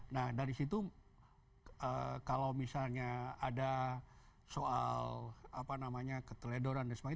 nah dari situ kalau misalnya ada soal keteledoran dan sebagainya